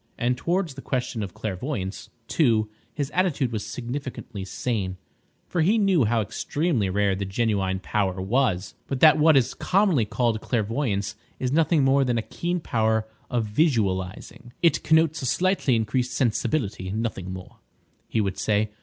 And towards the question of clairvoyance, too, his attitude was significantly sane, for he knew how extremely rare the genuine power was, and that what is commonly called clairvoyance is nothing more than a keen power of visualising. "It connotes a slightly increased sensibility, nothing more," he would say.